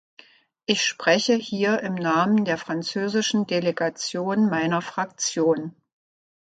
Ich spreche hier im Namen der französischen Delegation meiner Fraktion.